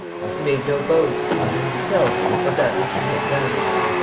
He made no boast, even to himself, of that which he had done.